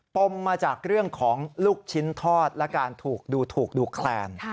มมาจากเรื่องของลูกชิ้นทอดและการถูกดูถูกดูแคลน